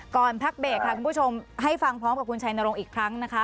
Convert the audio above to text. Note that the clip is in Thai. พักเบรกค่ะคุณผู้ชมให้ฟังพร้อมกับคุณชัยนรงค์อีกครั้งนะคะ